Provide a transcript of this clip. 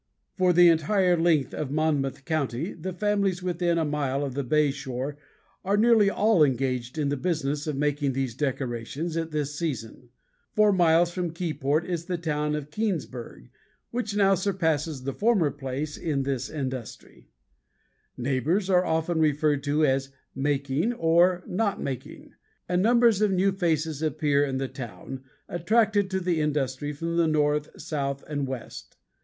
For the entire length of Monmouth county the families within a mile of the bay shore are nearly all engaged in the business of making these decorations at this season. Four miles from Keyport is the town of Keansburg which now surpasses the former place in this industry. Neighbors are referred to as "making" or "not making" and numbers of new faces appear in the town, attracted by the industry from the north, south, and west.